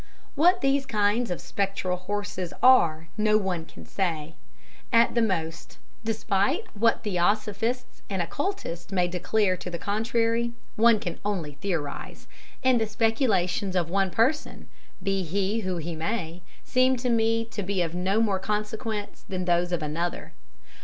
What these kinds of spectral horses are no one can say. At the most despite what theosophists and occultists may declare to the contrary one can only theorize and the speculations of one person, be he who he may, seem to me to be of no more consequence than those of another.